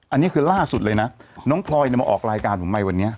อันนี้คือล่าสุดเลยนะน้องพลอยมาออกรายการผมไปวันนี้